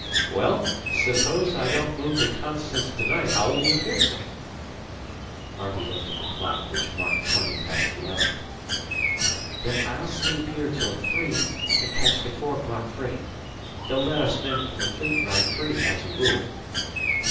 "Well, suppose I don't move the 'Constance' to night, how'll you fix it?" Harvey looked at the clock, which marked twenty past eleven. "Then I'll sleep here till three and catch the four o'clock freight. They let us men from the Fleet ride free as a rule."